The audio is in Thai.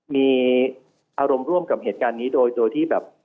มีอารมณ์ร่วมกับเหตุการณ์นี้โดยที่แบบ